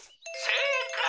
「せいかい！